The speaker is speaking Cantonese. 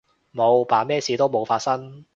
冇，扮咩事都冇發生